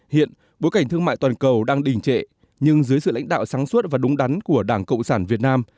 hiện bối cảnh thương mại toàn cầu đang đình trệ nhưng dưới sự lãnh đạo sáng suốt và đúng đắn của đảng cộng sản việt nam